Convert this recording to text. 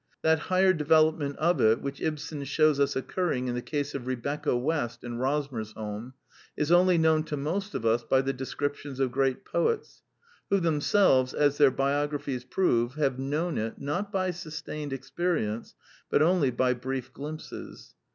That higher de velopment of it which Ibsen shews us occurring in the case of Rebecca West in Rosmersholm is only known to most of us by the descriptions of great poets, who themselves, as their biographies prove, have known it, not by sustained experience, but only by brief glimpses.